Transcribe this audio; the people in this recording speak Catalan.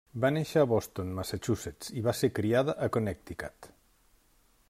Va néixer a Boston, Massachusetts i va ser criada a Connecticut.